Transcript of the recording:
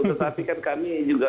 tetapi kan kami juga